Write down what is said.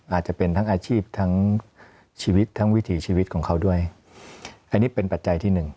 อาจจะเป็นทั้งอาชีพทั้งชีวิตทั้งวิถีชีวิตของเขาด้วยอันนี้เป็นปัจจัยที่หนึ่ง